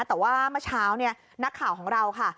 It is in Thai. แต่ว่าเมื่อเช้าเนี่ยนักข่าวของเราค่ะ